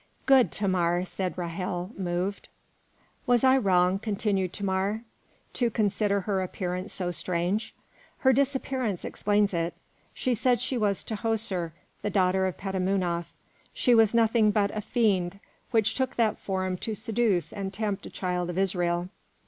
"Good Thamar," said Ra'hel, moved. "Was I wrong," continued Thamar, "to consider her appearance so strange? Her disappearance explains it. She said she was Tahoser, the daughter of Petamounoph. She was nothing but a fiend which took that form to seduce and tempt a child of Israel.